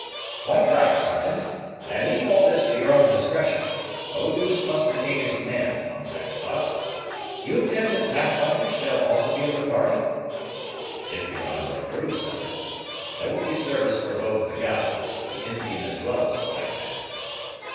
"Quite right, Sergeant, and I leave all this to your own discretion. Eau douce must retain his command, on second thoughts. You intend that Pathfinder shall also be of the party?" "If your honor approves of it. There will be service for both the guides, the Indian as well as the white man."